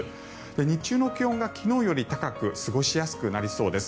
日中の気温が昨日より高く過ごしやすくなりそうです。